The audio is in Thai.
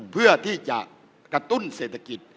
เพื่อที่จะกระตุ้นเศรษฐกิจ